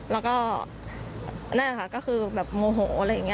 แล้วก็นั่นแหละค่ะก็คือแบบโมโหอะไรอย่างนี้